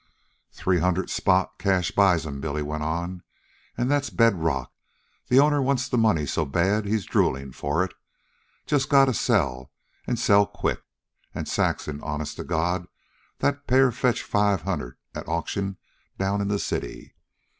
"Three hundred spot cash buys 'em," Billy went on. "An' that's bed rock. The owner wants the money so bad he's droolin' for it. Just gotta sell, an' sell quick. An' Saxon, honest to God, that pair'd fetch five hundred at auction down in the city.